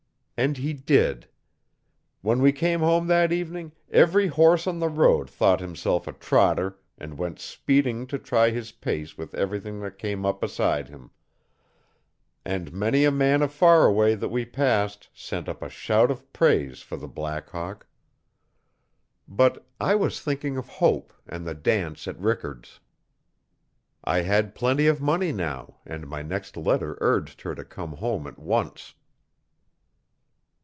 And he did. When we came home that evening every horse on the road thought himself a trotter and went speeding to try his pace with everything that came up beside him. And many a man of Faraway, that we passed, sent up a shout of praise for the Black Hawk. But I was thinking of Hope and the dance at Rickard's. I had plenty of money now and my next letter urged her to come home at once.